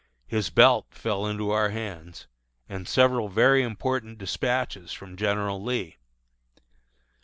His belt fell into our hands, and several very important despatches from General Lee.